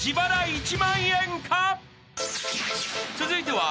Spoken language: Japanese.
［続いては］